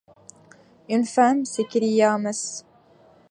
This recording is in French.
Une femme! s’écria Mrs.